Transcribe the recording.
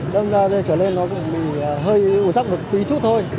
nên trở lên nó cũng hơi ủng tắc một tí chút thôi